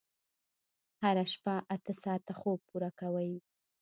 هره شپه اته ساعته خوب پوره کوئ.